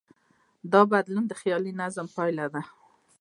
دا بدلون د خیالي نظم پایله ده.